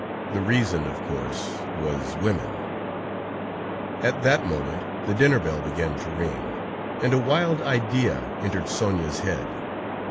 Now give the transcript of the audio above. The reason, of course, was women! At that moment the dinner bell began to ring, and a wild idea entered Sonia's head.